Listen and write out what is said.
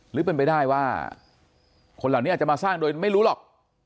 หรือเป็นไปได้ว่าคนเหล่านี้อาจจะมาสร้างโดยไม่รู้หรอก